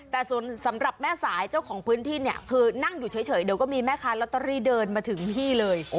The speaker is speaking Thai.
แต่สำหรับแม่สายเจ้าของพื้นที่เนี่ยคือนั่งอยู่เฉยเดี๋ยวก็มีแม่ค้าลอตเตอรี่เดินมาถึงที่เลย